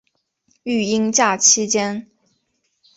育婴假期间